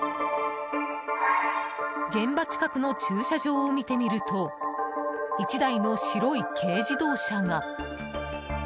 現場近くの駐車場を見てみると１台の白い軽自動車が。